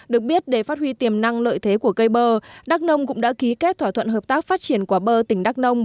được biết để phát huy tiềm năng lợi thế của cây bơ đắk nông cũng đã ký kết thỏa thuận hợp tác phát triển quả bơ tỉnh đắk nông